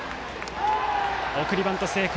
送りバント成功。